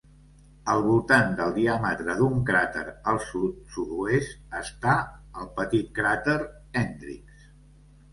Al voltant del diàmetre d'un cràter al sud-sud-oest està el petit cràter Hendrix.